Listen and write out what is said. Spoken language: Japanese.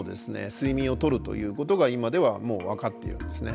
睡眠をとるということが今ではもう分かっているんですね。